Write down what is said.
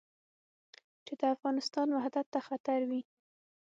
چې د افغانستان وحدت ته خطر وي.